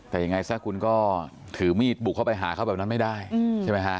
แต่ยังไงซะคุณก็ถือมีดบุกเข้าไปหาเขาแบบนั้นไม่ได้ใช่ไหมฮะ